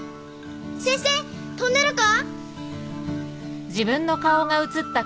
先生飛んでるか。